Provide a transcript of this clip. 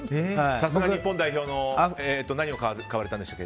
さすが日本代表の何を買われたんでしたっけ？